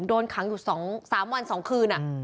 โดนขังอยู่๒๓วัน๒คืน